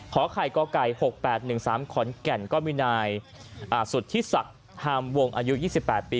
ขอไข่ก็ไก่หกแปดหนึ่งสามขอนแก่นก็มีนายอ่าสุธิศักดิ์ธรรมวงอายุยี่สิบแปดปี